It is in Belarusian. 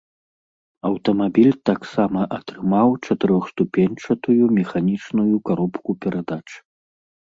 Аўтамабіль таксама атрымаў чатырохступеньчатую механічную каробку перадач.